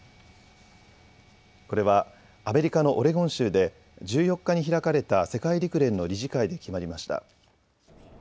これはアメリカのオレゴン州で１４日に開かれた世界陸連の理事会で決まりました。